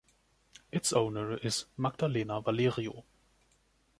Its owner is Magdalena Valerio.